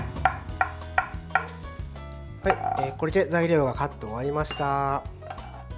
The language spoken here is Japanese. これで材料がカット終わりました。